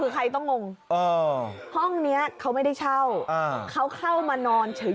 ห้องเนี้ยเขาไม่ได้เช่าเข้ามานอนเฉย